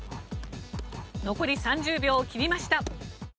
残り３０秒を切りました。